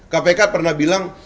kpk pernah bilang